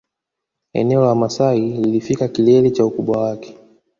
Eneo la Wamasai lilifika kilele cha ukubwa wake